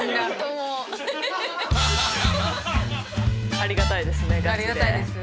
ありがたいですねガチで。